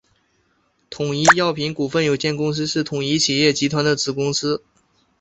统一药品股份有限公司是统一企业集团的子公司。